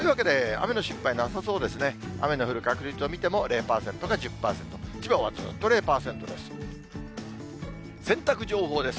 雨の降る確率を見ても０％か１０％、千葉はずっと０％です。